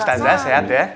ustazah sehat ya